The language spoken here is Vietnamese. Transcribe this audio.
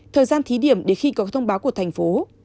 thời gian thí điểm đến khi có thông báo của thành phố